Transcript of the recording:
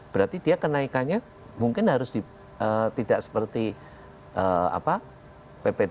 berarti dia kenaikannya mungkin harus tidak seperti pp tujuh puluh delapan